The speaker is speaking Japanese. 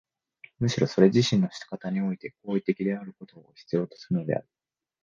むしろそれ自身の仕方において行為的であることを必要とするのである。